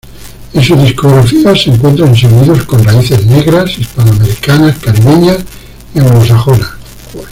En su discografía se encuentran sonidos con raíces negras, hispanoamericanas, caribeñas y anglosajonas.